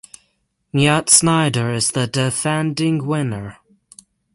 Myatt Snider is the defending winner.